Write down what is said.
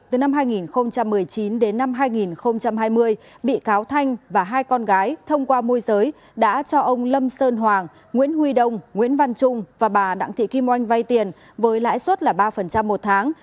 từ năm hai nghìn một mươi chín đến năm hai nghìn hai mươi bị cáo thanh và hai con gái thông qua môi giới đã cho ông lâm sơn hoàng nguyễn huy đông nguyễn văn trung và bà đặng thị kim oanh vay tiền với lãi suất là ba một tháng